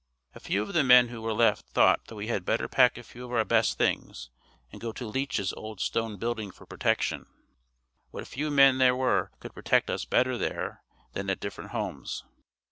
A few of the men who were left thought that we had better pack a few of our best things and go to Leeche's old stone building for protection. What few men there were could protect us better there than at different homes.